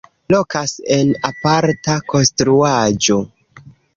Lokas en aparta konstruaĵo.